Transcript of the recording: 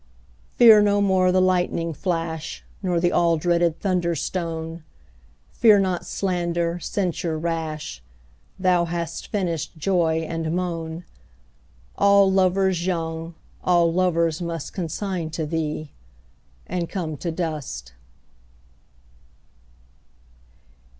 Fear no more the lightning flash, Nor the all dreaded thunder stone; Fear not slander, censure rash; Thou hast finish'd joy and moan:All lovers young, all lovers mustConsign to thee, and come to dust.